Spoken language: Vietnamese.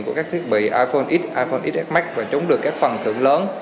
của các thiết bị iphone x iphone xs max và chống được các phần thưởng lớn